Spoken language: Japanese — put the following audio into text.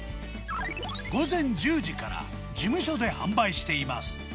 午前１０時から事務所で販売しています。